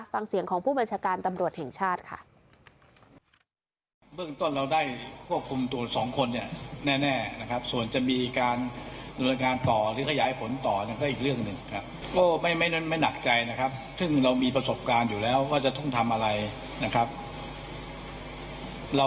ฟังเสียงของผู้บัญชาการตำรวจแห่งชาติค่ะ